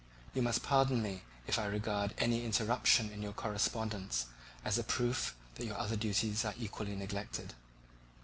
You must pardon me if I regard any interruption in your correspondence as a proof that your other duties are equally neglected."